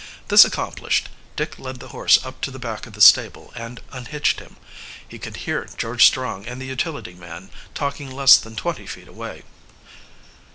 This accomplished, Dick led the horse up to the back of the stable and unhitched him. He could hear George Strong and the utility man talking less than twenty feet away.